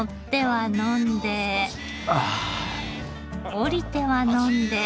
降りては呑んで。